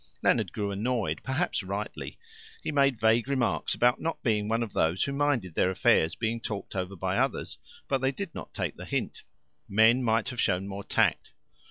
Leonard grew annoyed perhaps rightly. He made vague remarks about not being one of those who minded their affairs being talked over by others, but they did not take the hint. Men might have shown more tact.